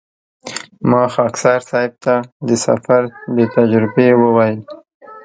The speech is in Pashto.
ما خاکسار صیب ته د سفر د تجربې وویل.